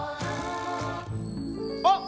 あっ！